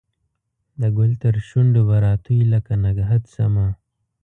د ګل ترشو نډو به راتوی لکه نګهت شمه